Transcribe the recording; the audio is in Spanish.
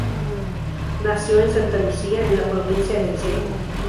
Nació en Santa Lucía, en la provincia de El Seibo.